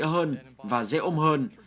hơn và dễ ôm hơn